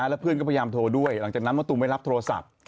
แล้วเพื่อนก็พยายามโทรด้วยหลังจากนั้นมะตูมไม่รับโทรศัพท์